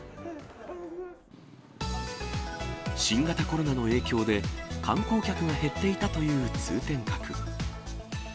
新型コロナの影響で、観光客が減っていたという通天閣。